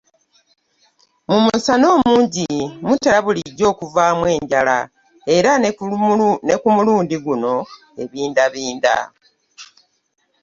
Mu musana omungi mutera bulijjo okuvaamu enjala, era ne ku mulundi guno ebindabinda.